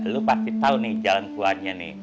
lo pasti tau nih jalan keluarnya nih